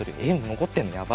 残ってんのやば！